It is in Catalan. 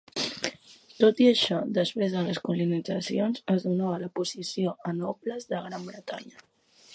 Tot i això, després de les colonitzacions, es donava la posició a nobles de Gran Bretanya.